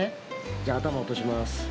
じゃあ頭落とします。